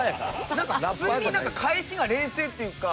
普通になんか返しが冷静っていうか。